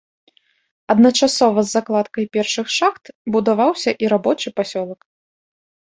Адначасова з закладкай першых шахт будаваўся і рабочы пасёлак.